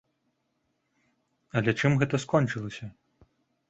Але чым гэта скончылася?